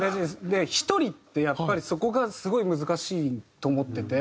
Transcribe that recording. １人ってやっぱりそこがすごい難しいと思ってて。